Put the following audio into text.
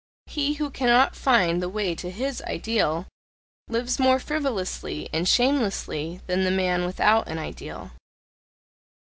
He who cannot find the way to HIS ideal, lives more frivolously and shamelessly than the man without an ideal.